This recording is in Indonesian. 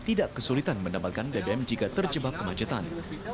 tidak kesulitan mendapatkan bbm jika terjebak kemacetan